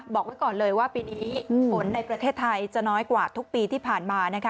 บอกไว้ก่อนเลยว่าปีนี้ฝนในประเทศไทยจะน้อยกว่าทุกปีที่ผ่านมานะคะ